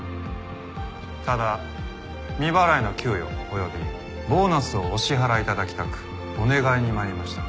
ただ未払いの給与およびボーナスをお支払い頂きたくお願いに参りました。